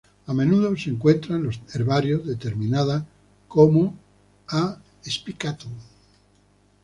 A menudo se encuentra en los herbarios determinada como "A. spicatum".